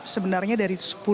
kalau ada dari pesakit